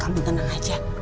kamu tenang aja